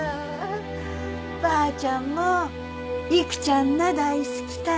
ばあちゃんも育ちゃんな大好きたい